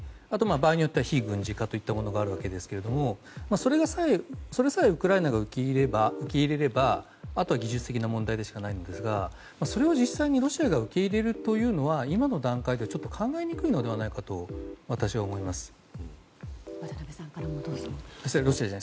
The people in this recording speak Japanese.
あとは場合によっては非軍事化といったものがあるわけですがそれさえウクライナが受け入れればあとは技術的な問題でしかないんですが、それを実際にロシアが受け入れるというのは今の段階ではちょっと考えにくいのではないかと私は思います。